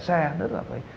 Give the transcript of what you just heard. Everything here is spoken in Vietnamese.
xe rất là phải